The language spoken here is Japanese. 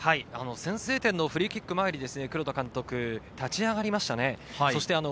先制点のフリーキックの前に黒田監督、立ち上がりました。